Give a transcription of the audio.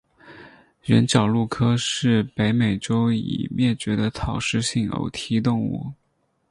原角鹿科是北美洲已灭绝的草食性偶蹄动物。